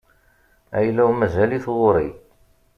Ayla-w mazal-it ɣur-i.